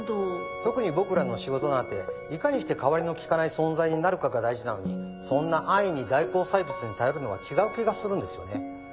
特に僕らの仕事なんていかにして代わりの利かない存在になるかが大事なのにそんな安易に代行サービスに頼るのは違う気がするんですよね。